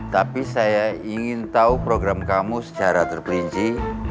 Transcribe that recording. tapi saya ingin tahu program kamu secara terperinci